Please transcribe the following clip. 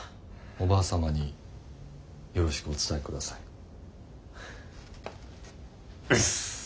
おばあ様によろしくお伝えください。